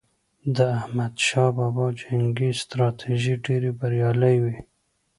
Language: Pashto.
د احمد شاه بابا جنګي ستراتیژۍ ډېرې بریالي وي.